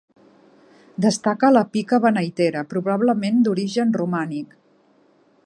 Destaca la pica beneitera, probablement d'origen romànic.